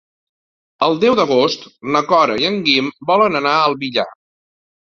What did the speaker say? El deu d'agost na Cora i en Guim volen anar al Villar.